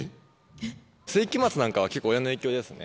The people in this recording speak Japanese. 聖飢魔ＩＩなんかは、結構、親の影響ですね。